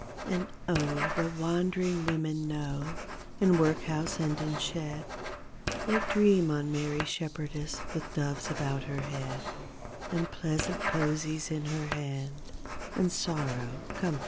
And O the wandering women know, in workhouse and in shed, They dream on Mary Shepherdess with doves about her head, And pleasant posies in her hand, and sorrow comforted.